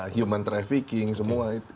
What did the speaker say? human trafficking semua